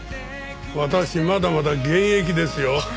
私まだまだ現役ですよ。